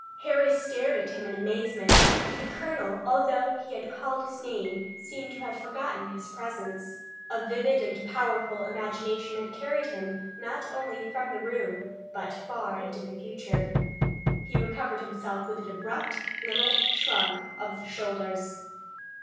Harry stared at him in amazement. The colonel, although he had called his name, seemed to have forgotten his presence. A vivid and powerful imagination had carried him not only from the room, but far into the future. He recovered himself with an abrupt little shrug of the shoulders.